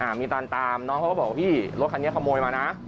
มีตอนตามน้องเขาก็บอกว่าพี่รถคันนี้ขโมยมานะ